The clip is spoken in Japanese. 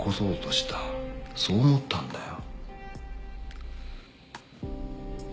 そう思ったんだよ。